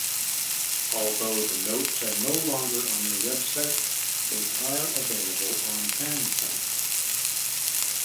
Although the notes are no longer on their website, they are available on fansites.